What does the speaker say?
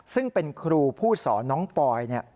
ซึ่งเป็นครูผู้สอนน้องปอย